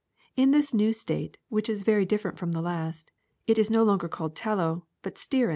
In this new state, which is very different from the first, it is no longer called tallow but stearin.